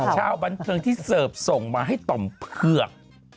ชาวบันเทิงที่เสิร์ฟส่งมาให้ต่อมเผือก